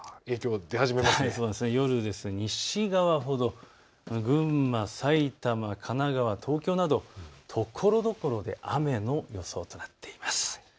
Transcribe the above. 夜、西側ほど群馬、埼玉、神奈川、東京などところどころで雨の予想となっています。